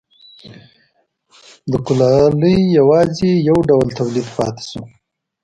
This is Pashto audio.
د کولالۍ یوازې یو ډول تولید پاتې شو